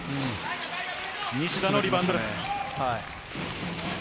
西田のリバウンドです。